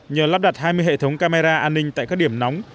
nhờ lắp đặt hai mươi hệ thống camera an ninh tại các điểm nóng